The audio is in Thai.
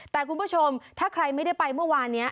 แต่คุณผู้ชมถ้าใครไม่ได้ไปเมื่อวานนี้